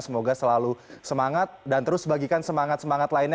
semoga selalu semangat dan terus bagikan semangat semangat lainnya